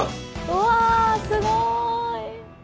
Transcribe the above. うわすごい！